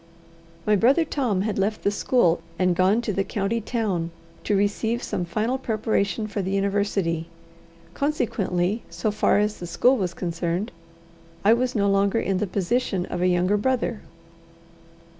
My brother Tom had left the school, and gone to the county town, to receive some final preparation for the University; consequently, so far as the school was concerned, I was no longer in the position of a younger brother.